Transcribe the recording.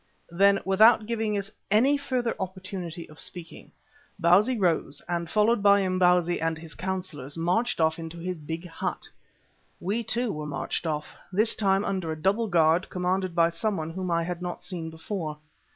Then, without giving us any further opportunity of speaking, Bausi rose, and followed by Imbozwi and his councillors, marched off into his big hut. We too, were marched off, this time under a double guard commanded by someone whom I had not seen before.